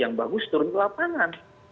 yang bagus turun ke lapangan